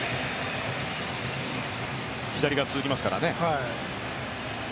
左が続きますからね。